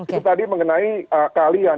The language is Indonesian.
itu tadi mengenai kalian